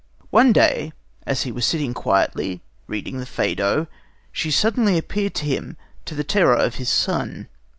One day, as he was sitting quietly reading the Phædo, she suddenly appeared to him, to the terror of his son.